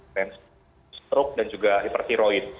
stroke dan juga hipertiroid